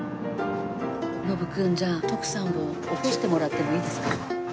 信君じゃあ徳さんを起こしてもらってもいいですか？